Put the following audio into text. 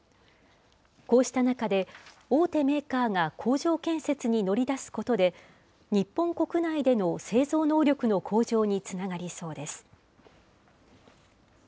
こうした中で、大手メーカーが工場建設に乗り出すことで、日本国内での製造能力の向上につながりそうです。